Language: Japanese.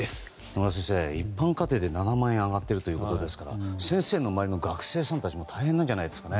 野村先生、一般家庭で７万円上がっているということですから先生の周りの学生さんたちも大変なんじゃないですか。